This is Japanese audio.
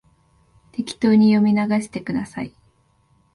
適当に読み流してください